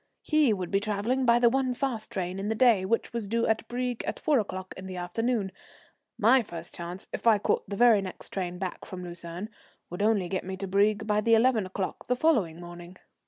He would be travelling by the one fast train in the day, which was due at Brieg at four o'clock in the afternoon. My first chance, if I caught the very next train back from Lucerne, would only get me to Brieg by the eleven o'clock the following morning.